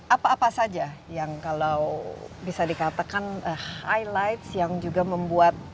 apa apa saja yang kalau bisa dikatakan highlights yang juga membuat